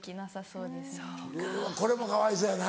うわこれもかわいそうやな。